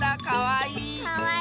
かわいい！